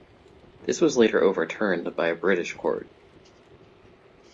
This was later overturned by a British court.